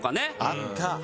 あった！